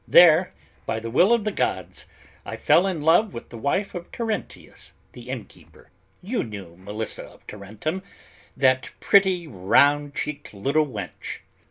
There, by the will of the gods, I fell in love with the wife of Terentius, the innkeeper; you knew Melissa of Tarentum, that pretty round checked little wench.